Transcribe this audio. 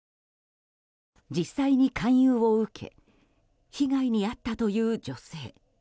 実際に勧誘を受け被害に遭ったという女性。